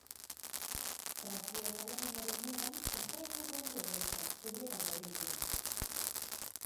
Frantzia eta Alemaniaren mugan, Estrasburgon du egoitza, Europa Jauregian.